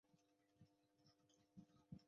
在场上的位置是中后卫。